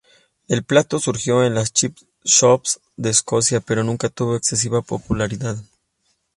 El plato surgió en las "chip shops" de Escocia pero nunca tuvo excesiva popularidad.